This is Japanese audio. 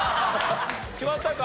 決まったか？